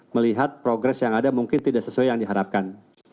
melihat progres yang ada mungkin tidak sesuai yang diharapkan